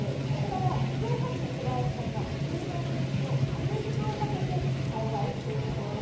静岡市の小林さんが通常の菊の倍の時間をかけて栽培しているそうです。